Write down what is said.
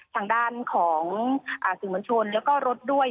ทางด้านของสื่อมวลชนแล้วก็รถด้วย